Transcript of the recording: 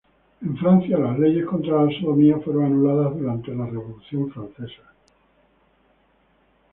En Francia, las leyes contra la sodomía fueron anuladas durante la Revolución francesa.